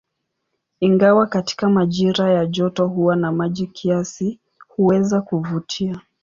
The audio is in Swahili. Ingawa katika majira ya joto huwa na maji kiasi, huweza kuvutia.